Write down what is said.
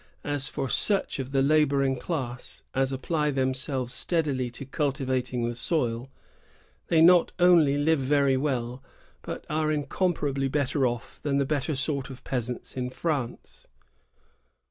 As for such of the laboring class as apply themselves steadily to cultivating the soil, they not only live very well, but are incomparably better off than the better sort of peasants in France."